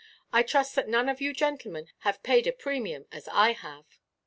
I trust that none of you gentlemen have paid a premium, as I have."